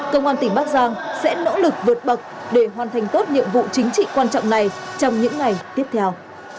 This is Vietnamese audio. công an tỉnh bắc giang sẽ nỗ lực vượt bậc để hoàn thành tốt nhiệm vụ chính trị quan trọng này trong những ngày tiếp theo